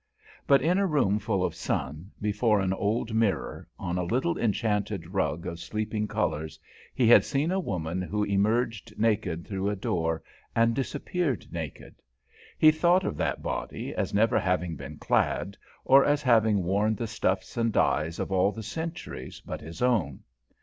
But in a room full of sun, before an old mirror, on a little enchanted rug of sleeping colours, he had seen a woman who emerged naked through a door, and disappeared naked. He thought of that body as never having been clad, or as having worn the stuffs and dyes of all the centuries but his own.